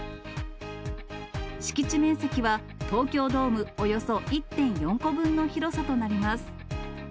敷地面積は、東京ドームおよそ１．４個分の広さとなります。